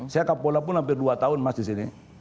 saya kapolda pun hampir dua tahun mas di sini